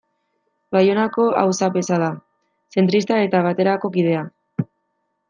Baionako auzapeza da, zentrista eta Baterako kidea.